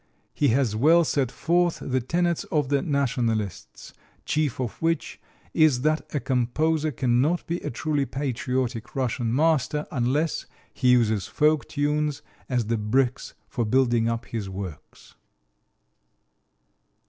He has well set forth the tenets of the "nationalists," chief of which is that a composer cannot be a truly patriotic Russian master unless he uses folk tunes as the bricks for building up his works.